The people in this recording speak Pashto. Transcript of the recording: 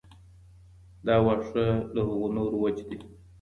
دا واښه له هغو نورو وچ دي.